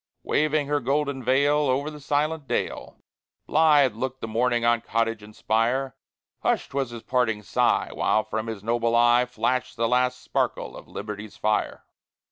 Waving her golden veil Over the silent dale, Blithe looked the morning on cottage and spire; Hushed was his parting sigh, While from his noble eye Flashed the last sparkle of liberty's fire.